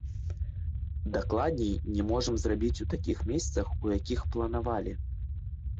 Дакладней, не зможам зрабіць у такіх месцах, у якіх планавалі.